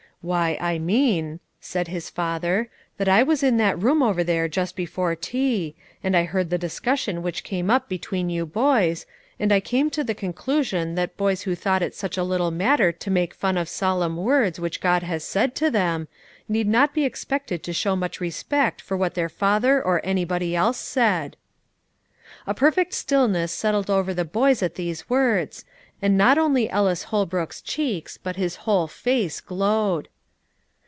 "Why, I mean," said his father, "that I was in that room over there just before tea, and I heard the discussion which came up between you boys, and I came to the conclusion that boys who thought it such a little matter to make fun of solemn words which God has said to them, need not be expected to show much respect for what their father or anybody else said." A perfect stillness settled over the boys at these words, and not only Ellis Holbrook's cheeks, but his whole face glowed.